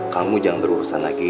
kamu jangan berurusan lagi